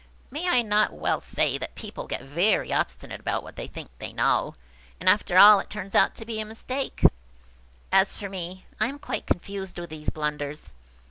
May I not well say that people get very obstinate about what they think they know, and after all it turns out to be a mistake? As for me, I am quite confused with these blunders."